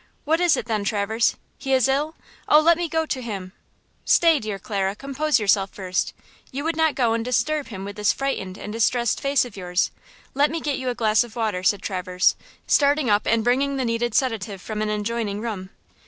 What is it, then Traverse? He is ill! Oh, let me go to him!" "Stay, dear Clara–compose yourself first! You would not go and disturb him with this frightened and distressed face of yours–let me get you a glass of water," said Traverse, starting up and bringing the needed sedative from an adjoining room.